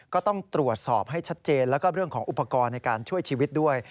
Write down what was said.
ก็ต้องตรวจสอบให้ชัดเจนแล้วก็เรื่องของอุปกรณ์ในการช่วยชีวิตด้วย